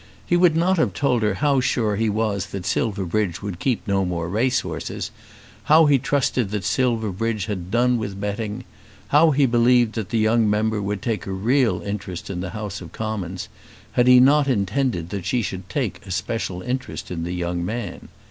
He would not have told her how sure he was that Silverbridge would keep no more racehorses, how he trusted that Silverbridge had done with betting, how he believed that the young member would take a real interest in the House of Commons, had he not intended that she should take a special interest in the young man.